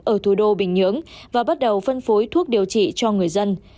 ở thủ đô bình nhưỡng và bắt đầu phân phối thuốc điều trị cho người dân